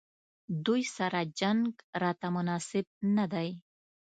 دوی سره جنګ راته مناسب نه دی.